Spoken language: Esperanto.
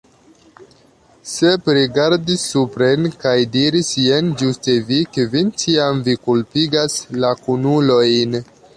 Sep rigardis supren kaj diris: "Jen ĝuste vi, Kvin; ĉiam vi kulpigas la kunulojn."